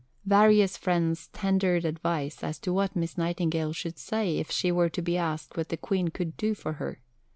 See above, p. 297. Various friends tendered advice as to what Miss Nightingale should say if she were to be asked what the Queen could "do for her."